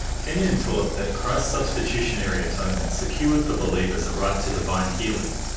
Kenyon taught that Christ's substitutionary atonement secured for believers a right to divine healing.